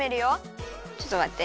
ちょっとまって。